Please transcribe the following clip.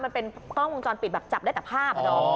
มันเป็นกล้องวงจรปิดแบบจับได้แต่ภาพอ่ะดอม